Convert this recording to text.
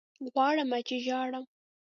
غواړمه چې ژاړم